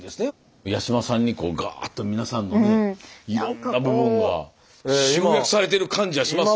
八嶋さんにガーッと皆さんのねいろんな部分が集約されてる感じはしますよ。